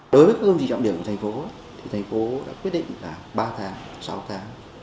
đối với công trình trọng điểm của thành phố thành phố đã quyết định là ba tháng sáu tháng